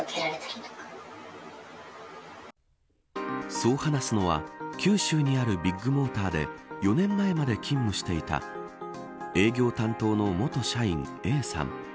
そう話すのは九州にあるビッグモーターで４年前まで勤務していた営業担当の元社員Ａさん。